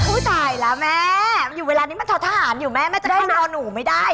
อุ้ยตายแล้วแม่อยู่เวลานี้มันทะทานอยู่แม่แม่จะข้างออนหนูไม่ได้